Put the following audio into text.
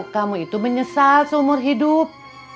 kamu itu menyesal seumur hidup